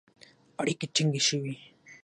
اړیکې ټینګې شوې